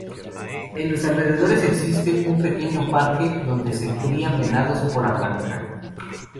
En los alrededores existe un pequeño parque donde se crían venados cola blanca.